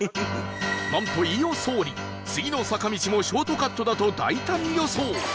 なんと飯尾総理次の坂道もショートカットだと大胆予想